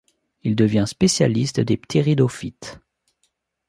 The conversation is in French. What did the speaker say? Il devient spécialiste des ptéridophytes.